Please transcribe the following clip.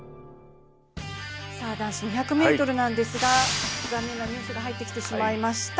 男子２００ｍなんですが、残念なニュースが入ってきました。